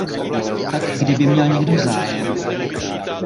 Tak kdyby měl někdo zájem...